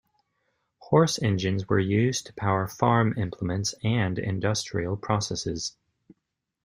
Horse engines were used to power farm implements and industrial processes.